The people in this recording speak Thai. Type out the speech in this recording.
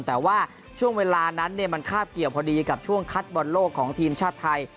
แต่ว่าช่วงเวลานั้นมันคาบเกี่ยวพอดีกับช่วงคัดบอลโลกของทีมชาติไทย